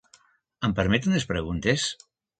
Em permet unes preguntes?